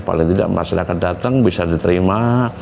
paling tidak masyarakat datang bisa diterima